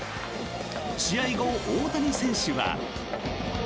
試合後、大谷選手は。